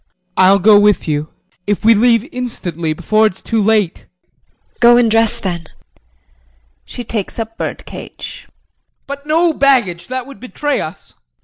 JEAN. I'll go with you if we leave instantly before it's too late. JULIE. Go and dress then. [She takes up bird cage.] JEAN. But no baggage! That would betray us.